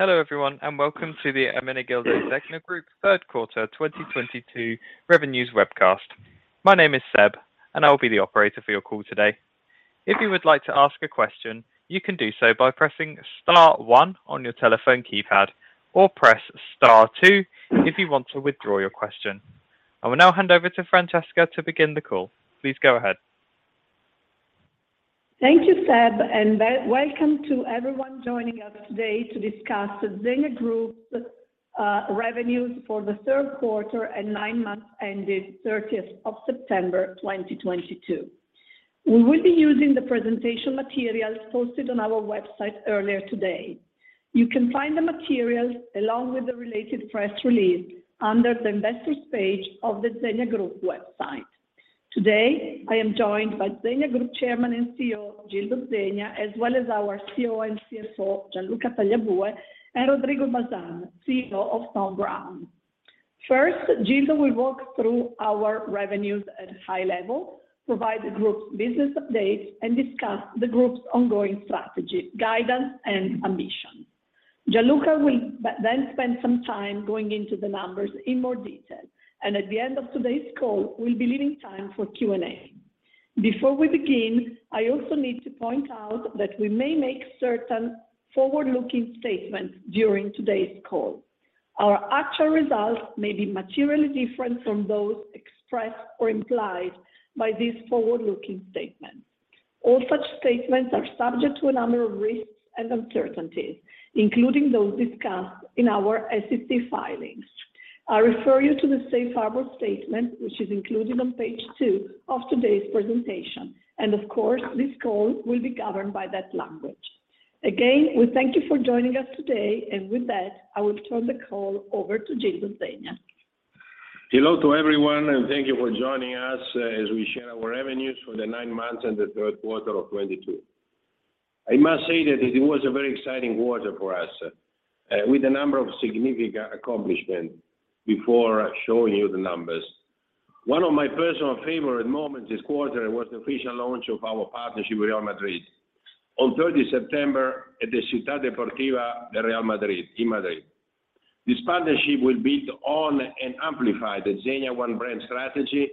Hello everyone and welcome to the Ermenegildo Zegna Group Q3 2022 Revenues Webcast. My name is Seb and I will be the operator for your call today. If you would like to ask a question, you can do so by pressing star one on your telephone keypad or press star two if you want to withdraw your question. I will now hand over to Francesca to begin the call. Please go ahead. Thank you, Seb, and welcome to everyone joining us today to discuss the Zegna Group revenues for the Q3 and nine months ended 30th of September 2022. We will be using the presentation materials posted on our website earlier today. You can find the materials along with the related press release under the Investors page of the Zegna Group website. Today, I am joined by Zegna Group Chairman and CEO Gildo Zegna, as well as our COO and CFO Gianluca Tagliabue, and Rodrigo Bazan, CEO of Thom Browne. First, Gildo will walk through our revenues at high level, provide the group's business updates, and discuss the group's ongoing strategy, guidance and ambition. Gianluca will then spend some time going into the numbers in more detail and at the end of today's call, we'll be leaving time for Q&A. Before we begin, I also need to point out that we may make certain forward-looking statements during today's call. Our actual results may be materially different from those expressed or implied by these forward-looking statements. All such statements are subject to a number of risks and uncertainties, including those discussed in our SEC filings. I refer you to the safe harbor statement which is included on page two of today's presentation and of course this call will be governed by that language. Again, we thank you for joining us today and with that, I will turn the call over to Gildo Zegna. Hello to everyone and thank you for joining us as we share our revenues for the nine months and the Q3 of 2022. I must say that it was a very exciting quarter for us with a number of significant accomplishments before showing you the numbers. One of my personal favorite moments this quarter was the official launch of our partnership with Real Madrid on 30 September at the Ciudad Real Madrid in Madrid. This partnership will build on and amplify the Zegna one-brand strategy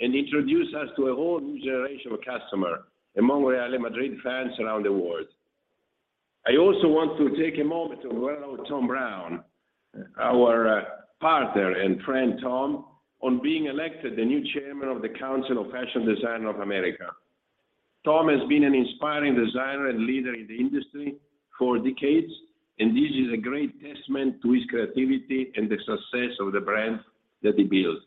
and introduce us to a whole new generation of customer among Real Madrid fans around the world. I also want to take a moment to Thom Browne, our partner and friend Thom, on being elected the new chairman of the Council of Fashion Designers of America. Thom has been an inspiring designer and leader in the industry for decades, and this is a great testament to his creativity and the success of the brand that he built.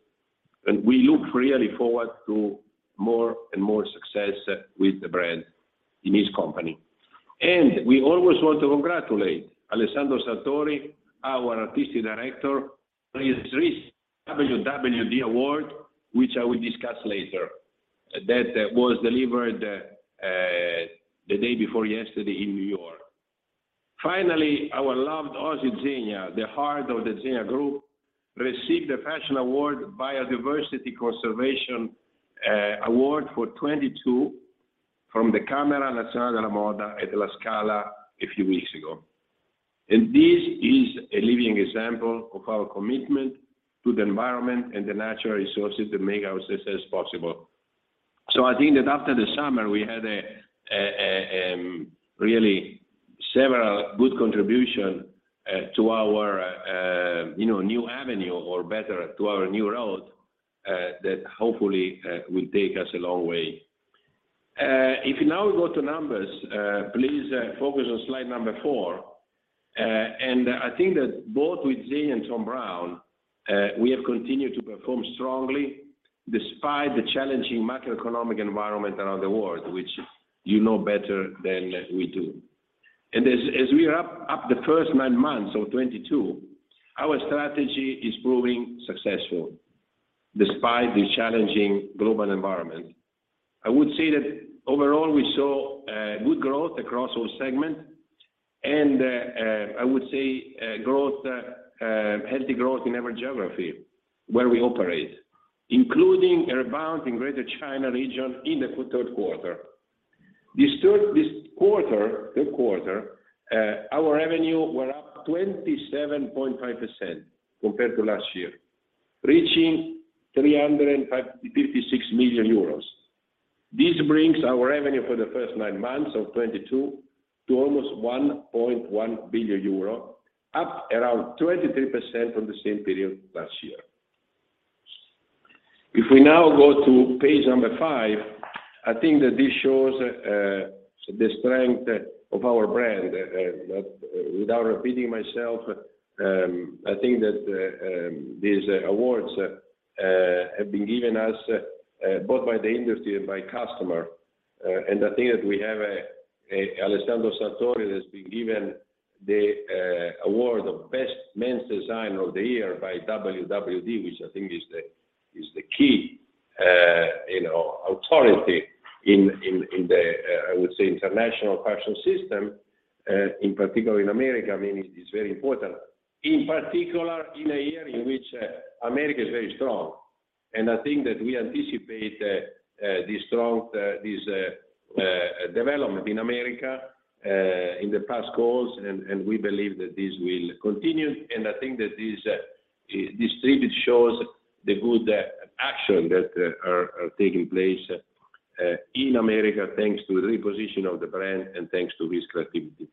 We look really forward to more and more success with the brand in his company. We always want to congratulate Alessandro Sartori, our artistic director, on his recent WWD award which I will discuss later, that was delivered, the day before yesterday in New York. Finally, our loved Oasi Zegna, the heart of the Zegna Group, received the Fashion Award Biodiversity Conservation, Award for 2022 from the Camera Nazionale della Moda Italiana at La Scala a few weeks ago. This is a living example of our commitment to the environment and the natural resources that make our success possible. I think that after the summer we had really several good contribution to our you know new avenue or better to our new road that hopefully will take us a long way. If you now go to numbers, please focus on slide number four. I think that both with Z and Thom Browne we have continued to perform strongly despite the challenging macroeconomic environment around the world which you know better than we do. As we wrap up the first nine months of 2022, our strategy is proving successful despite the challenging global environment. I would say that overall we saw good growth across all segments and I would say healthy growth in every geography where we operate, including a rebound in Greater China region in the Q3. This quarter, Q3, our revenue were up 27.5% compared to last year, reaching 356 million euros. This brings our revenue for the first nine months of 2022 to almost 1.1 billion euro up around 23% from the same period last year. If we now go to page number five, I think that this shows the strength of our brand without repeating myself, I think that these awards have been given us both by the industry and by customer. I think that we have Alessandro Sartori that's been given the award of best men's designer of the year by WWD which I think is the key, you know authority in the international fashion system, in particular in America, I mean it's very important. In particular in a year in which America is very strong. I think that we anticipate this strong development in America in the past calls and we believe that this will continue. I think that this really shows the good action that are taking place in America thanks to the reposition of the brand and thanks to his creativity.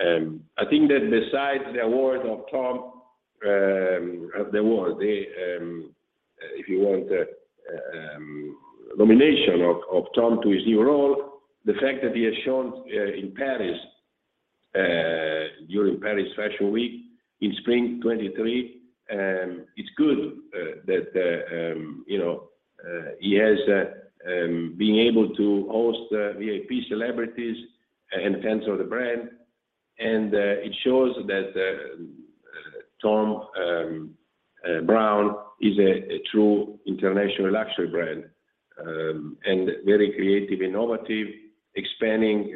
I think that besides the award of Thom Browne, the nomination of Thom Browne to his new role, the fact that he has shown in Paris during Paris Fashion Week in spring 2023, it's good that you know he has been able to host VIP celebrities and fans of the brand. It shows that Thom Browne is a true international luxury brand and very creative, innovative, expanding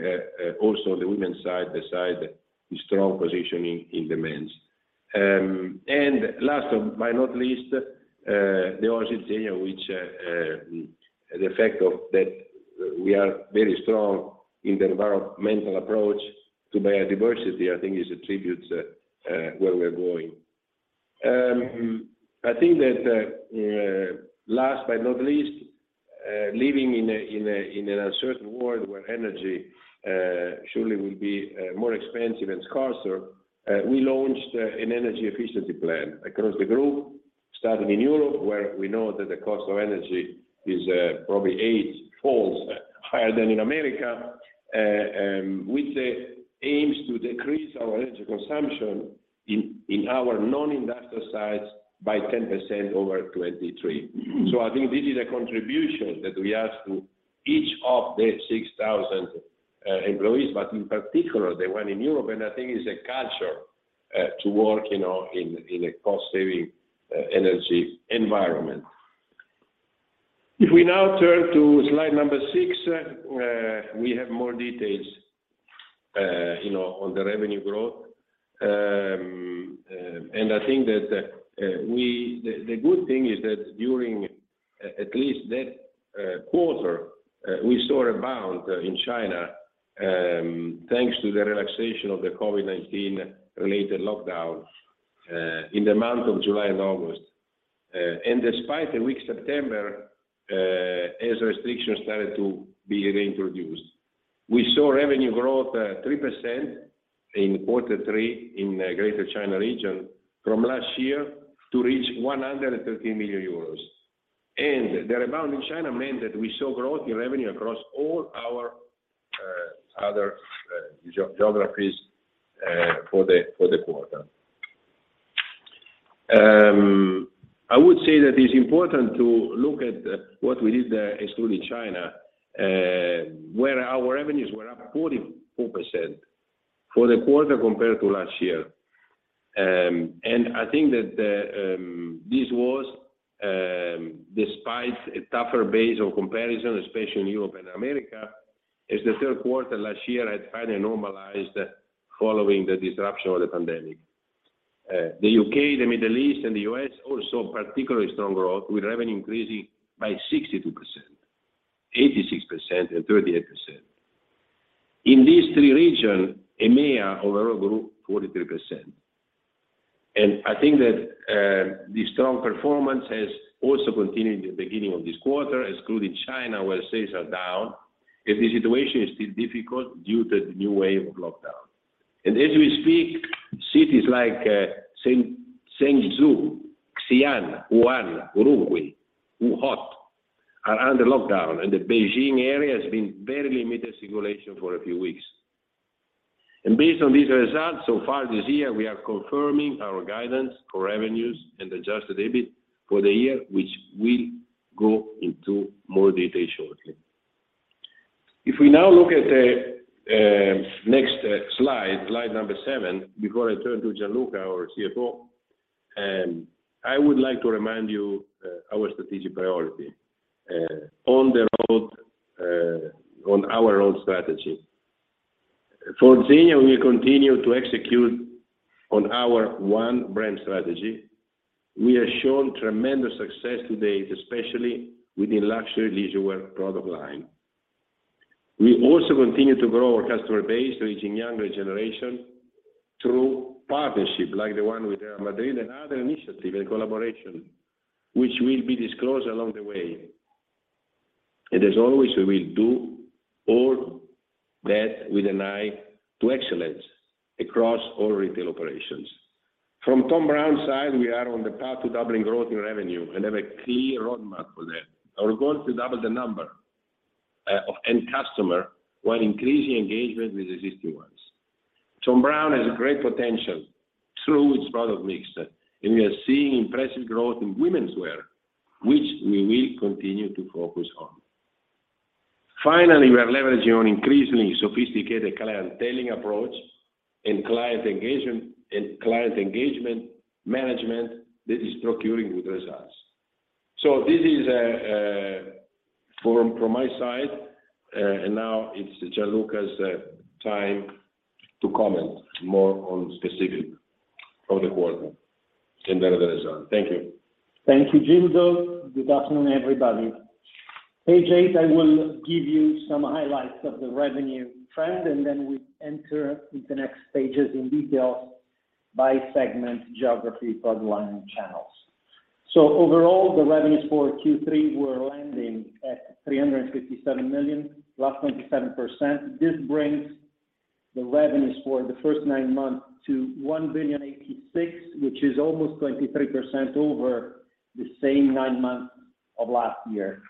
also the women's side, the side with strong positioning in the men's. Last but not least, Oasi Zegna, which the effect of that we are very strong in the environmental approach to biodiversity, I think is attributes where we're going. I think that last but not least, living in an uncertain world where energy surely will be more expensive and scarcer, we launched an energy efficiency plan across the group, starting in Europe, where we know that the cost of energy is probably eightfold higher than in America, which aims to decrease our energy consumption in our Non-industrial sites by 10% over 2023. I think this is a contribution that we ask to each of the 6,000 employees, but in particular the one in Europe, and I think it's a culture to work, you know, in a cost-saving energy environment. If we now turn to slide number 6, we have more details, you know, on the revenue growth. I think that we saw a bounce in China, thanks to the relaxation of the COVID-19 related lockdowns, in the month of July and August. Despite a weak September, as restrictions started to be reintroduced, we saw revenue growth, 3% in quarter three in Greater China region from last year to reach 113 million euros. The rebound in China meant that we saw growth in revenue across all our other geographies, for the quarter. I would say that it's important to look at what we did there excluding China, where our revenues were up 44% for the quarter compared to last year. I think that this was, despite a tougher base of comparison, especially in Europe and America, as the third quarter last year had finally normalized following the disruption of the pandemic. The U.K., the Middle East and the U.S. also particularly strong growth, with revenue increasing by 62%, 86% and 38%. In these three region, EMEA overall group, 43%. I think that the strong performance has also continued at the beginning of this quarter, excluding China, where sales are down, as the situation is still difficult due to the new wave of lockdown. As we speak, cities like Zhengzhou, Xi'an, Wuhan, Urumqi, Wuhan are under lockdown and the Beijing area has been very limited circulation for a few weeks. Based on these results, so far this year, we are confirming our guidance for revenues and adjusted EBIT for the year, which we'll go into more detail shortly. If we now look at the next slide number seven, before I turn to Gianluca, our CFO, I would like to remind you our strategic priority on the road to our own strategy. For Zegna, we continue to execute on our one-brand strategy. We have shown tremendous success to date, especially within luxury leisurewear product line. We also continue to grow our customer base, reaching younger generation through partnership like the one with Real Madrid and other initiative and collaboration, which will be disclosed along the way. As always, we will do all that with an eye to excellence across all retail operations. From Thom Browne's side, we are on the path to doubling growth in revenue and have a clear roadmap for that. We are going to double the number of end customer while increasing engagement with existing ones. Thom Browne has great potential through its product mix, and we are seeing impressive growth in womenswear, which we will continue to focus on. Finally, we are leveraging on increasingly sophisticated Clienteling approach and client engagement, and client engagement management that is producing good results. From my side, and now it's Gianluca's time to comment more on specifics of the quarter and the results. Thank you. Thank you, Gildo Zegna. Good afternoon, everybody. Page eight, I will give you some highlights of the revenue trend, and then we enter into the next pages in detail by segment, geography, product line, and channels. Overall, the revenues for Q3 were landing at 357 million, +27%. This brings the revenues for the first nine months to 1,086 million, which is almost 23% over the same nine months of last year.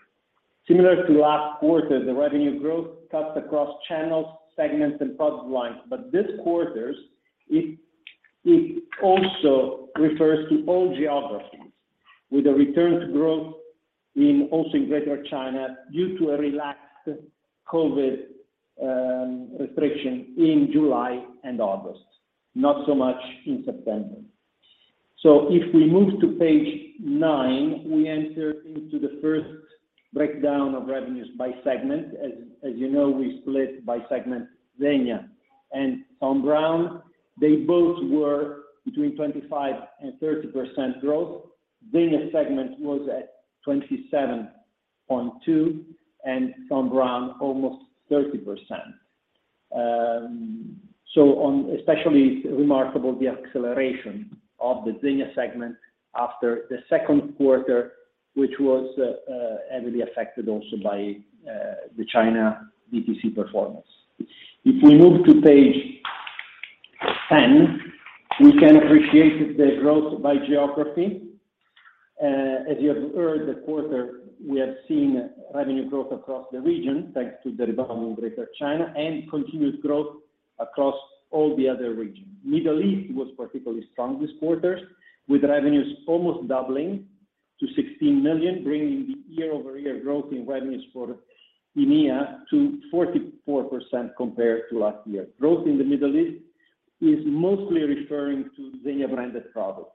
Similar to last quarter, the revenue growth cuts across channels, segments and product lines, but this quarter it also refers to all geographies with a return to growth in Greater China due to a relaxed COVID restriction in July and August, not so much in September. If we move to page nine, we enter into the first breakdown of revenues by segment. You know, we split by segment Zegna and Thom Browne. They both were between 25% and 30% growth. Zegna segment was at 27.2%, and Thom Browne almost 30%. Especially remarkable the acceleration of the Zegna segment after the Q2, which was heavily affected also by the China DTC performance. If we move to page 10, we can appreciate the growth by geography. As you have heard this quarter, we have seen revenue growth across the region thanks to the rebound in Greater China and continued growth across all the other regions. Middle East was particularly strong this quarter, with revenues almost doubling to 16 million, bringing the year-over-year growth in revenues for EMEA to 44% compared to last year. Growth in the Middle East is mostly referring to Zegna branded products.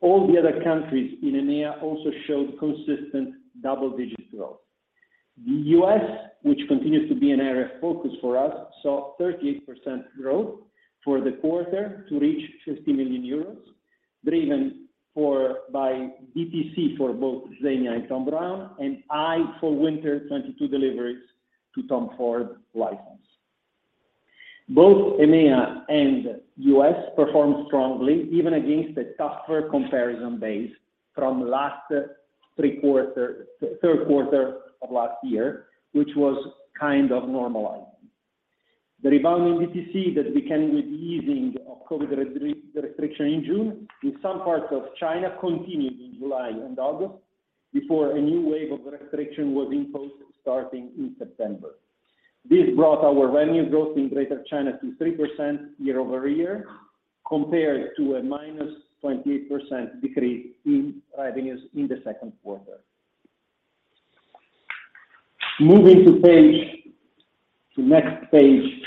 All the other countries in EMEA also showed consistent double-digit growth. The U.S., which continues to be an area of focus for us, saw 38% growth for the quarter to reach 50 million euros, driven by DTC for both Zegna and Thom Browne and by winter 2022 deliveries to Tom Ford license. Both EMEA and U.S. performed strongly even against a tougher comparison base from third quarter of last year, which was kind of normalized. The rebound in DTC that began with the easing of COVID restriction in June in some parts of China continued in July and August before a new wave of restriction was imposed starting in September. This brought our revenue growth in Greater China to 3% year-over-year, compared to a -28% decrease in revenues in the Q2. Moving to page. To the next page,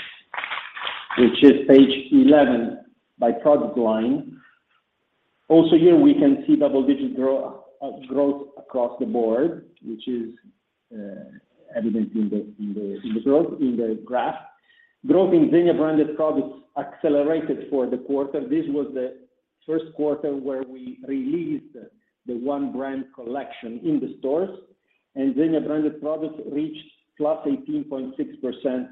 which is page 11 by product line. Also here we can see double-digit growth across the board, which is evident in the growth in the graph. Growth in Zegna branded products accelerated for the quarter. This was the first quarter where we released the one-brand collection in the stores, and Zegna branded products reached +18.6%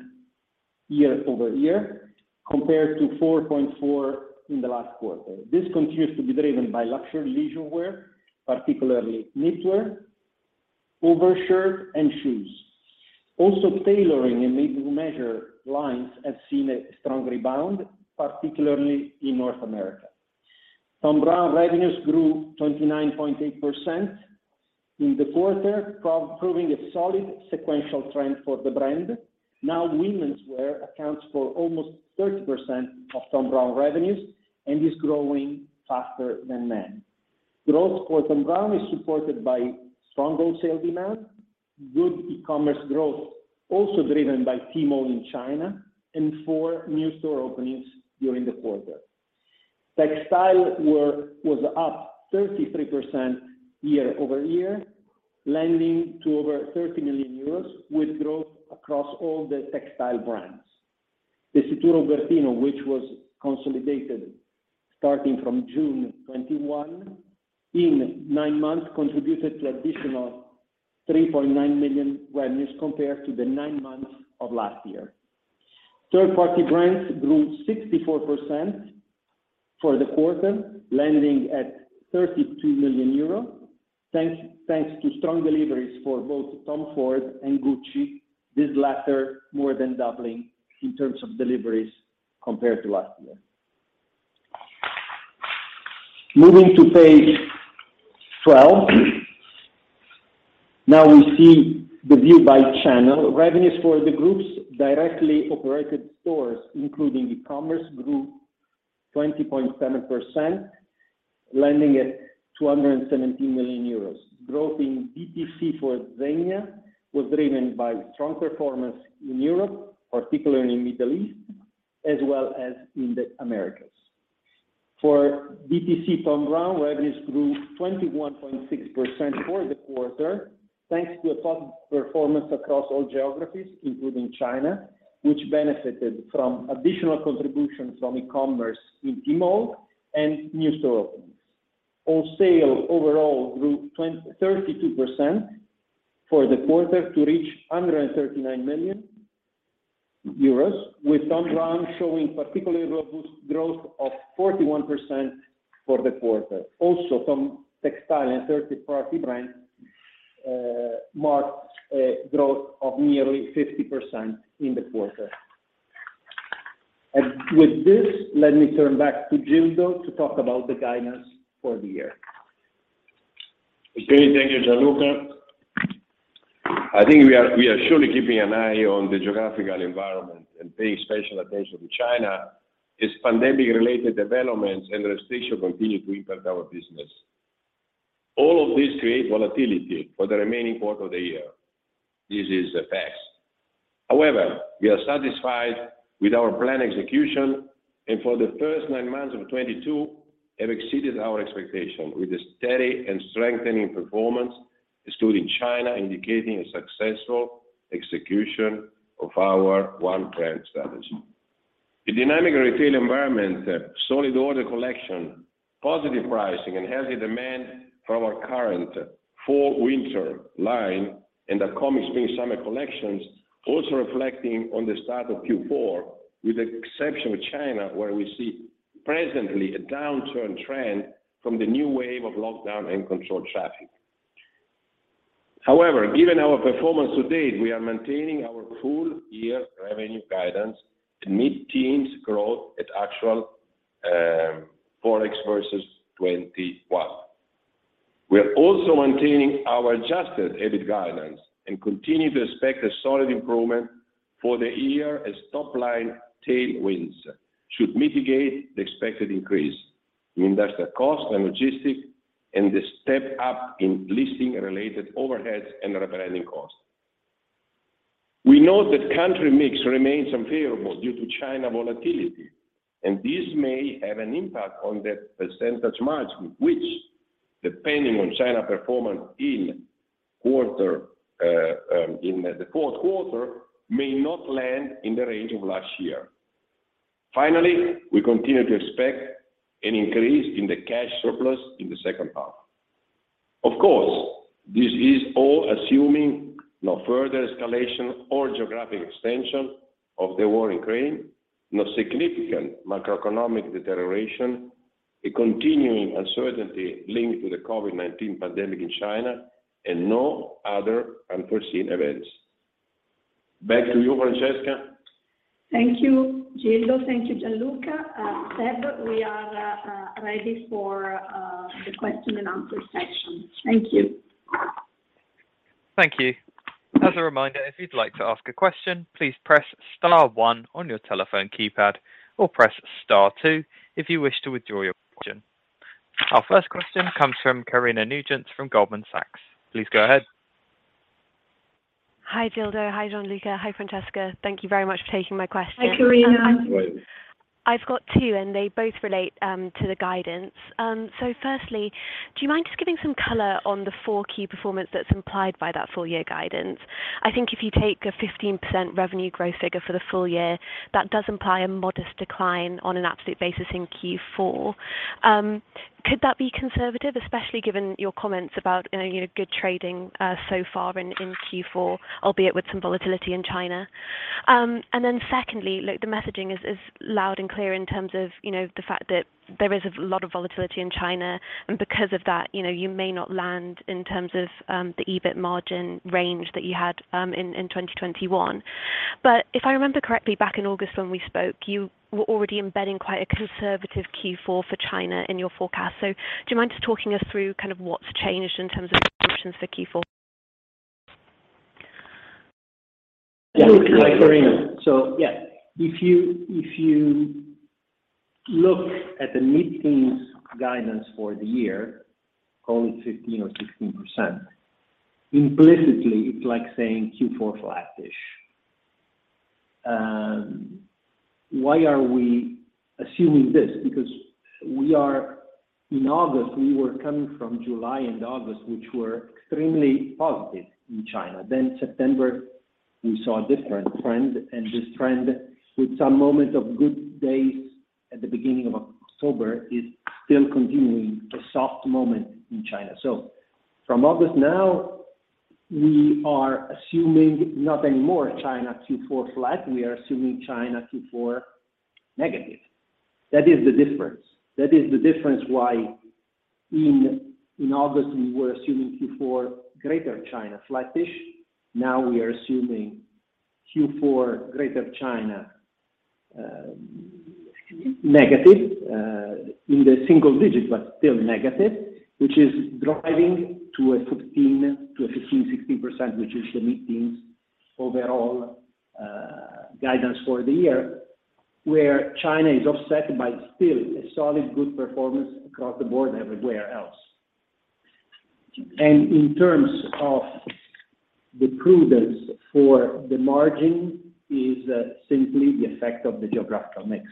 year-over-year, compared to 4.4% in the last quarter. This continues to be driven by luxury leisurewear, particularly knitwear, overshirts and shoes. Also tailoring and made-to-measure lines have seen a strong rebound, particularly in North America. Thom Browne revenues grew 29.8% in the quarter, proving a solid sequential trend for the brand. Now womenswear accounts for almost 30% of Thom Browne revenues and is growing faster than men. Growth for Thom Browne is supported by strong wholesale demand, good e-commerce growth, also driven by Tmall in China and four new store openings during the quarter. Textiles was up 33% year-over-year, leading to over 30 million euros with growth across all the textile brands. Tessitura Ubertino, which was consolidated starting from June 2021, in nine months contributed to additional 3.9 million revenues compared to the nine months of last year. Third-party brands grew 64% for the quarter, landing at 32 million euros. Thanks to strong deliveries for both Tom Ford and Gucci, this latter more than doubling in terms of deliveries compared to last year. Moving to page twelve. Now we see the view by channel. Revenues for the Group's directly operated stores, including e-commerce, grew 20.7%, landing at 217 million euros. Growth in DTC for Zegna was driven by strong performance in Europe, particularly in Middle East as well as in the Americas. For DTC Thom Browne, revenues grew 21.6% for the quarter, thanks to a top performance across all geographies, including China, which benefited from additional contributions from e-commerce in Tmall and new store openings. All sales overall grew thirty-two percent for the quarter to reach under 39 million euros, with Thom Browne showing particularly robust growth of 41% for the quarter. Also, from textile and third-party brands, marked growth of nearly 50% in the quarter. With this, let me turn back to Gildo to talk about the guidance for the year. Okay. Thank you, Gianluca. I think we are surely keeping an eye on the geographical environment and paying special attention to China as pandemic-related developments and restrictions continue to impact our business. All of this create volatility for the remaining part of the year. This is a fact. However, we are satisfied with our plan execution and for the first nine months of 2022 have exceeded our expectation with a steady and strengthening performance, especially in China, indicating a successful execution of our one-brand strategy. The dynamic retail environment, solid order collection, positive pricing, and healthy demand from our current fall/winter line and the coming spring/summer collections also reflecting on the start of Q4, with the exception of China, where we see presently a downturn trend from the new wave of lockdown and controlled traffic. However, given our performance to date, we are maintaining our full-year revenue guidance to mid-teens% growth at actual FX versus 2021. We are also maintaining our Adjusted EBIT guidance and continue to expect a solid improvement for the year as top line tailwinds should mitigate the expected increase in industrial cost and logistics and the step up in leasing related overheads and rebranding costs. We know that country mix remains unfavorable due to China volatility, and this may have an impact on the % margin, which, depending on China performance in the fourth quarter, may not land in the range of last year. Finally, we continue to expect an increase in the cash surplus in the second half. Of course, this is all assuming no further escalation or geographic extension of the war in Ukraine, no significant macroeconomic deterioration, a continuing uncertainty linked to the COVID-19 pandemic in China, and no other unforeseen events. Back to you, Francesca. Thank you, Gildo. Thank you, Gianluca. Seb, we are ready for the question and answer session. Thank you. Thank you. As a reminder, if you'd like to ask a question, please press star one on your telephone keypad, or press star two if you wish to withdraw your question. Our first question comes from Chiara Battistini from Goldman Sachs. Please go ahead. Hi, Gildo. Hi, Gianluca. Hi, Francesca. Thank you very much for taking my question. Hi, Chiara. Right. I've got two, and they both relate to the guidance. So firstly, do you mind just giving some color on the four key performance that's implied by that full year guidance? I think if you take a 15% revenue growth figure for the full year, that does imply a modest decline on an absolute basis in Q4. Could that be conservative, especially given your comments about, you know, good trading so far in Q4, albeit with some volatility in China? And then secondly, look, the messaging is loud and clear in terms of, you know, the fact that there is a lot of volatility in China. Because of that, you know, you may not land in terms of the EBIT margin range that you had in 2021. If I remember correctly, back in August when we spoke, you were already embedding quite a conservative Q4 for China in your forecast. Do you mind just talking us through kind of what's changed in terms of expectations for Q4? Yeah. Hi, Chiara. If you look at the mid-teens guidance for the year, call it 15% or 16%, implicitly, it's like saying Q4 flat-ish. Why are we assuming this? In August, we were coming from July and August, which were extremely positive in China. September, we saw a different trend, and this trend, with some moments of good days at the beginning of October, is still continuing a soft moment in China. From August now, we are assuming not anymore China Q4 flat, we are assuming China Q4 negative. That is the difference why in August, we were assuming Q4 Greater China flat-ish. Now we are assuming Q4 Greater China negative in the single digits, but still negative, which is driving to 15%-16%, which is the mid-teens overall guidance for the year, where China is offset by still a solid good performance across the board everywhere else. In terms of the prudence for the margin is simply the effect of the geographical mix.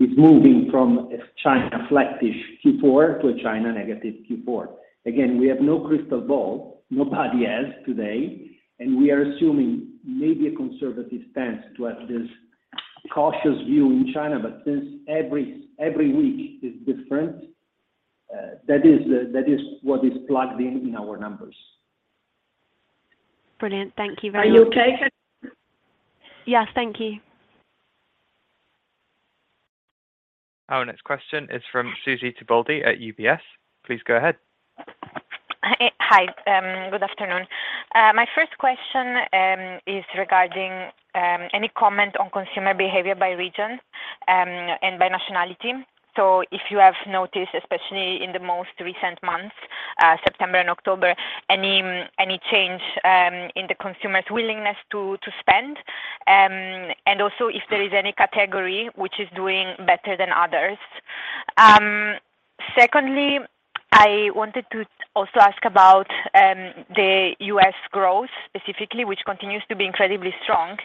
It's moving from a China-flatish Q4 to a China negative Q4. Again, we have no crystal ball, nobody has today, and we are assuming maybe a conservative stance to have this cautious view in China. Since every week is different, that is what is plugged in in our numbers. Brilliant. Thank you very much. Are you okay? Yes. Thank you. Our next question is from Susy Tibaldi at UBS. Please go ahead. Hi. Good afternoon. My first question is regarding any comment on consumer behavior by region and by nationality. If you have noticed, especially in the most recent months, September and October, any change in the consumer's willingness to spend, and also if there is any category which is doing better than others. Secondly, I wanted to also ask about the U.S. growth specifically, which continues to be incredibly strong.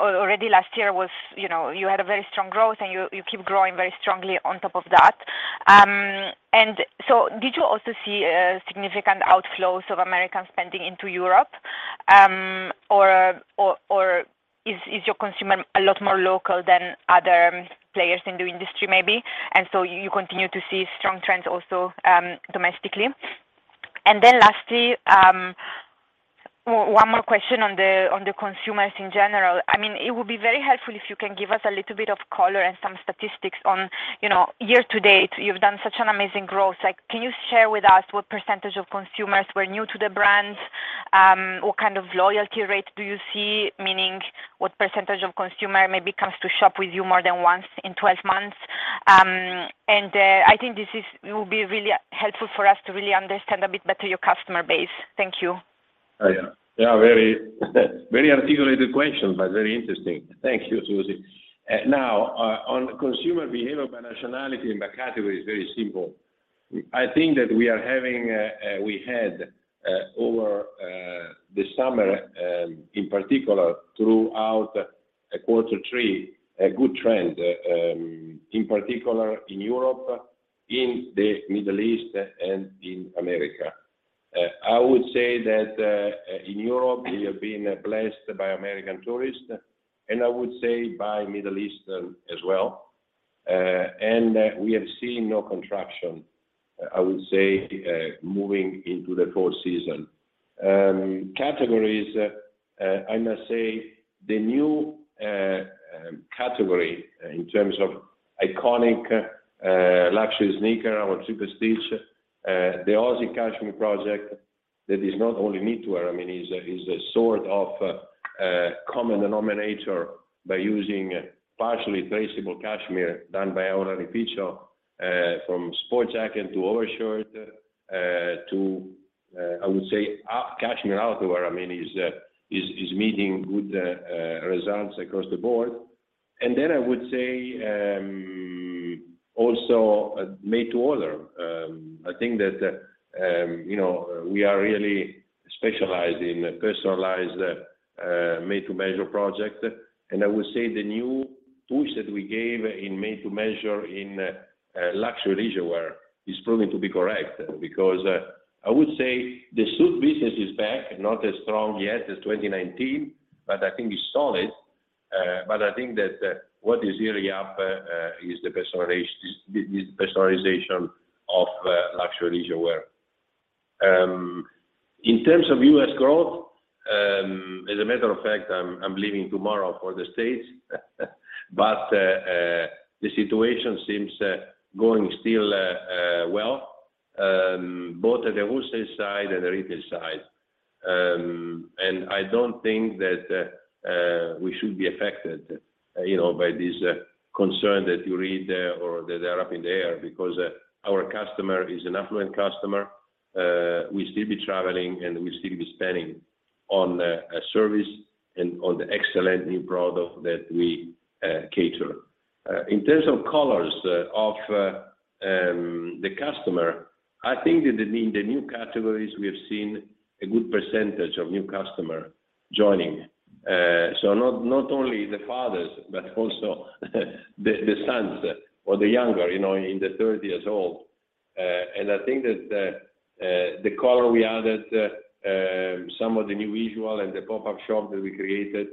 Already last year was, you know, you had a very strong growth and you keep growing very strongly on top of that. Did you also see significant outflows of American spending into Europe, or is your consumer a lot more local than other players in the industry maybe, and so you continue to see strong trends also, domestically? Then lastly, one more question on the consumers in general. I mean, it would be very helpful if you can give us a little bit of color and some statistics on, you know, year to date, you've done such an amazing growth. Like, can you share with us what percentage of consumers were new to the brands? What kind of loyalty rate do you see? Meaning what percentage of consumer maybe comes to shop with you more than once in twelve months? I think this is. Will be really helpful for us to really understand a bit better your customer base. Thank you. Yeah. They are very very articulated questions, but very interesting. Thank you, Susy. Now, on consumer behavior by nationality and by category is very simple. I think that we had over the summer in particular throughout quarter three a good trend in particular in Europe, in the Middle East and in America. I would say that in Europe, we have been blessed by American tourists, and I would say by Middle Eastern as well. We have seen no contraction, I would say, moving into the fourth season. Categories, I must say the new category in terms of iconic luxury sneaker, our Triple Stitch, the Oasi Cashmere project, that is not only knitwear, I mean, is a sort of a common denominator by using partially traceable cashmere done by Oasi Cashmere, from sports jacket to overshirt, to I would say cashmere outerwear, I mean, is meeting good results across the board. I would say also made-to-measure. I think that, you know, we are really specialized in personalized made-to-measure project. I would say the new push that we gave in made-to-measure in luxury leisurewear is proving to be correct because I would say the suit business is back, not as strong yet as 2019, but I think it's solid. I think that what is really up is the personalization of luxury leisurewear. In terms of US growth, as a matter of fact, I'm leaving tomorrow for the States, but the situation seems still going well both at the wholesale side and the retail side. I don't think that we should be affected, you know, by this concern that you read or that they are up in the air because our customer is an affluent customer. Will still be traveling, and will still be spending on services and on the excellent new product that we cater. In terms of colors of the customer, I think that in the new categories, we have seen a good percentage of new customers joining. Not only the fathers, but also the sons or the younger, you know, in the thirty years old. I think that the color we added, some of the new visuals and the pop-up shop that we created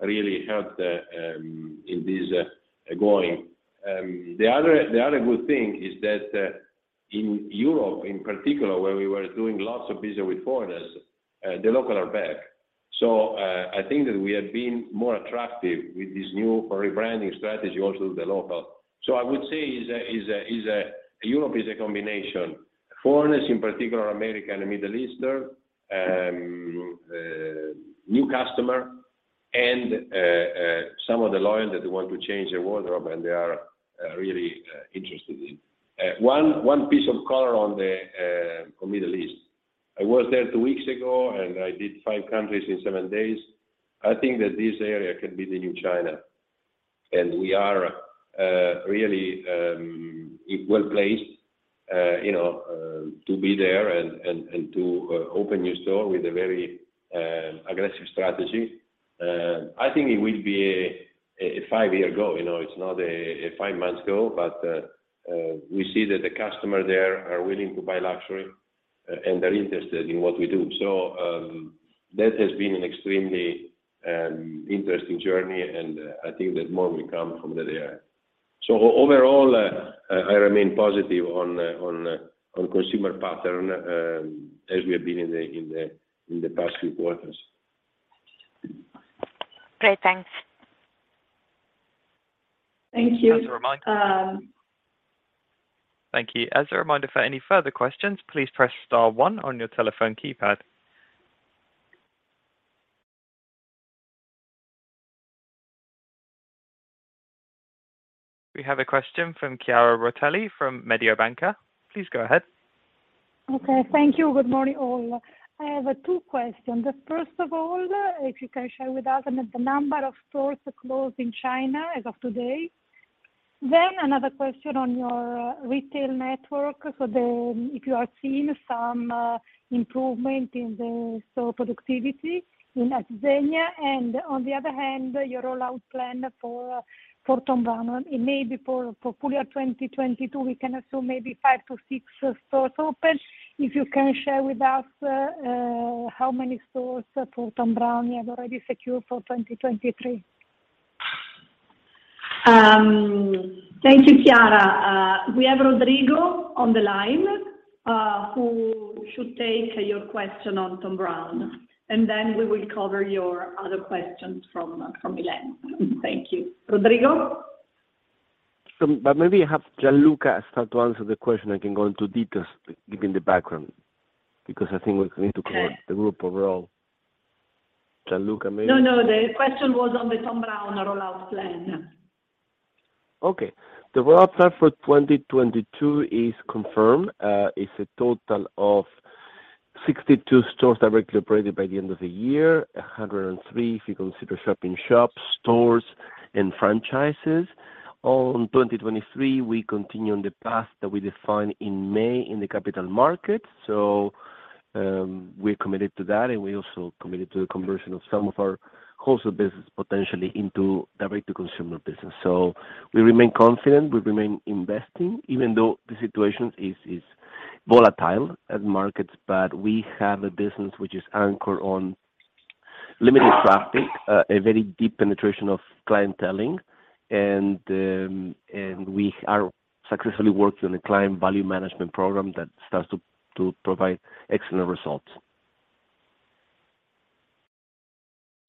really helped in this going. The other good thing is that in Europe in particular, where we were doing lots of business with foreigners, the locals are back. I think that we have been more attractive with this new rebranding strategy also the local. I would say Europe is a combination, foreigners in particular, American and Middle Eastern, new customer and some of the loyal that they want to change their wardrobe and they are really interested in. One piece of color on the Middle East. I was there two weeks ago, and I did five countries in seven days. I think that this area can be the new China. We are really well-placed, you know, to be there and to open new store with a very aggressive strategy. I think it will be a five-year goal. You know, it's not a five-month goal. We see that the customer there are willing to buy luxury, and they're interested in what we do. That has been an extremely interesting journey, and I think that more will come from that area. Overall, I remain positive on consumer pattern, as we have been in the past few quarters. Great. Thanks. Thank you. As a reminder. Thank you. As a reminder, for any further questions, please press star one on your telephone keypad. We have a question from Chiara Rotelli from Mediobanca. Please go ahead. Okay. Thank you. Good morning, all. I have two questions. First of all, if you can share with us the number of stores closed in China as of today. Another question on your retail network. If you are seeing some improvement in the store productivity in Zegna. On the other hand, your rollout plan for Thom Browne in maybe for full year 2022, we can assume maybe five-six stores open. If you can share with us how many stores for Thom Browne you have already secured for 2023. Thank you, Chiara. We have Rodrigo on the line, who should take your question on Thom Browne, and then we will cover your other questions from Milan. Thank you. Rodrigo? Maybe have Gianluca start to answer the question. I can go into details, giving the background, because I think we're going to cover. Yeah the group overall. Gianluca, maybe. No, no. The question was on the Thom Browne rollout plan. Okay. The rollout plan for 2022 is confirmed. It's a total of 62 stores directly operated by the end of the year, 103 if you consider shop-in-shops, stores, and franchises. On 2023, we continue on the path that we defined in May in the capital markets. We're committed to that, and we're also committed to the conversion of some of our wholesale business potentially into direct-to-consumer business. We remain confident, we remain investing, even though the situation is volatile at markets. We have a business which is anchored on limited traffic, a very deep penetration of clienteling, and we are successfully working on a Customer Value Management program that starts to provide excellent results.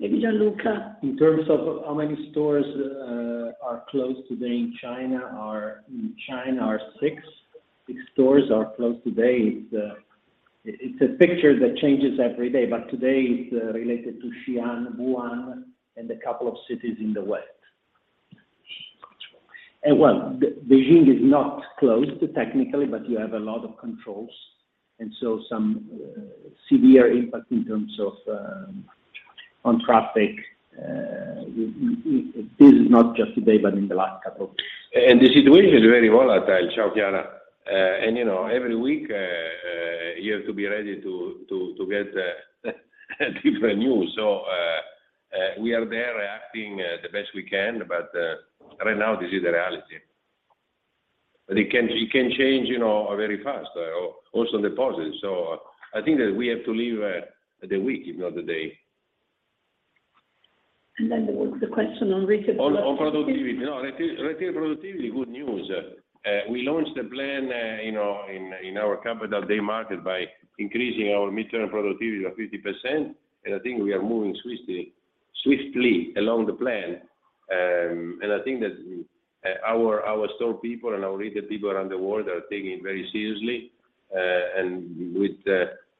Maybe Gianluca. In terms of how many stores are closed today in China, there are six. Six stores are closed today. It's a picture that changes every day, but today it's related to Xi'an, Wuhan, and a couple of cities in the west. Well, Beijing is not closed technically, but you have a lot of controls, and so some severe impact in terms of on traffic. This is not just today, but in the last couple. The situation is very volatile, ciao, Chiara. You know, every week you have to be ready to get different news. We are there reacting the best we can, but right now, this is the reality. But it can change, you know, very fast, also in the positive. I think that we have to live the week, if not the day. There was the question on retail productivity. Retail productivity, good news. We launched the plan, you know, in our Capital Day Market by increasing our midterm productivity by 50%, and I think we are moving swiftly along the plan. I think that our store people and our retail people around the world are taking it very seriously.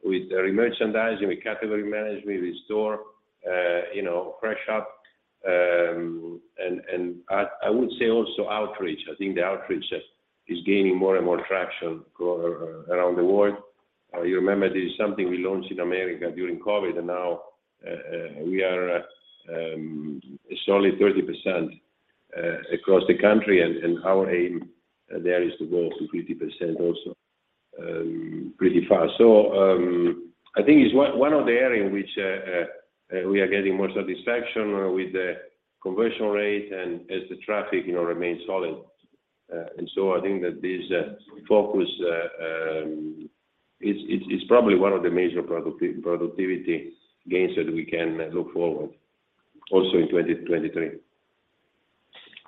With re-merchandising, with category management, with store fresh up, and I would say also outreach. I think the outreach is gaining more and more traction around the world. You remember this is something we launched in America during COVID, and now we are, it's only 30% across the country, and our aim there is to go to 50% also, pretty fast. I think it's one of the area in which we are getting more satisfaction with the conversion rate and as the traffic, you know, remains solid. I think that this focus is probably one of the major productivity gains that we can look forward also in 2023.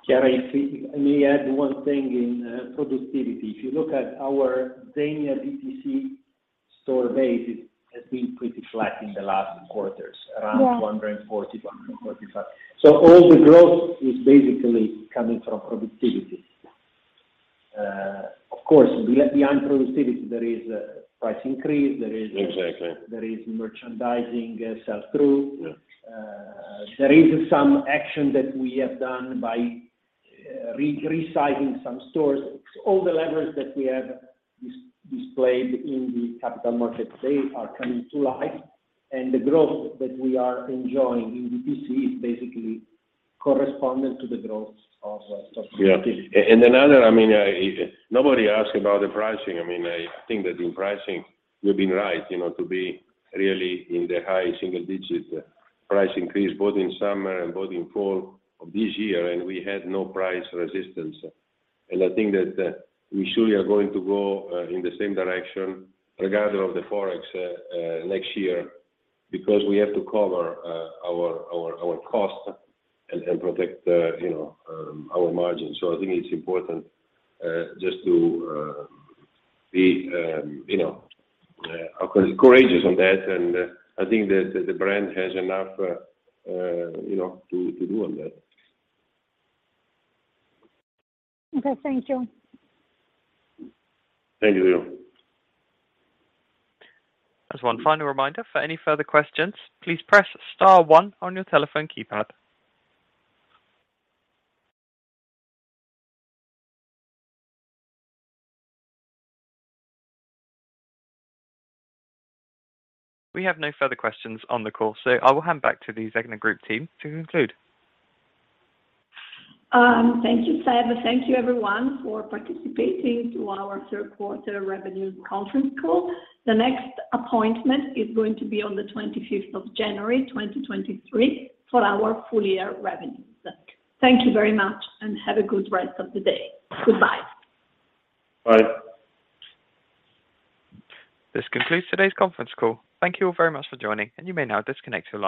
Chiara, I may add one thing in productivity. If you look at our Dania DTC store base, it has been pretty flat in the last quarters. Yeah. Around 140-145. All the growth is basically coming from productivity. Of course, beyond productivity, there is price increase. Exactly... there is merchandising, sell-through. Yeah. There is some action that we have done by. Resizing some stores. All the levers that we have displayed in the capital markets, they are coming to life, and the growth that we are enjoying in the DTC is basically corresponding to the growth of subscription. Yeah. Another, I mean, nobody asked about the pricing. I mean, I think that in pricing, we've been right, you know, to be really in the high single digit price increase, both in summer and both in fall of this year, and we had no price resistance. I think that we surely are going to go in the same direction regardless of the forex next year because we have to cover our costs and protect, you know, our margins. I think it's important just to be, you know, of course, courageous on that. I think that the brand has enough, you know, to do on that. Okay. Thank you. Thank you. Just one final reminder. For any further questions, please press star one on your telephone keypad. We have no further questions on the call, so I will hand back to the Zegna Group team to conclude. Thank you, Seb. Thank you everyone for participating to our Q3 Revenue Conference Call. The next appointment is going to be on the 25th of January, 2023, for our full year revenue. Thank you very much and have a good rest of the day. Goodbye. Bye. This concludes today's Conference Call. Thank you all very much for joining, and you may now disconnect your line.